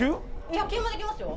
野球もできますよ。